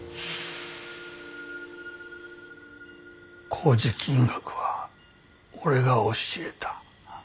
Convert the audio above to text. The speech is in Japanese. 工事金額は俺が教えた。